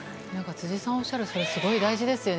辻さんがおっしゃること大事ですよね。